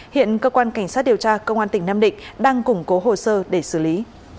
hiện cơ quan cảnh sát điều tra công an tỉnh nam định đang củng cố hồ sơ để xử lý